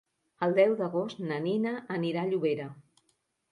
El deu d'agost na Nina anirà a Llobera.